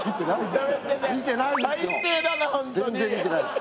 全然見てないです。